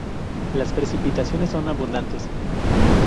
Las precipitaciones son abundantes.